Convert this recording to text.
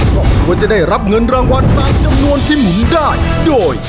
ครอบครัวจะได้รับเงินรางวัลตามจำนวนที่หมุนได้โดย